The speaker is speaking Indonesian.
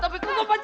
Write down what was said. ampun deh ampun deh